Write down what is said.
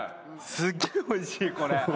「すっげえおいしいこれ。